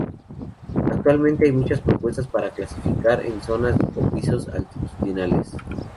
Actualmente hay muchas propuestas para clasificar en zonas o pisos altitudinales.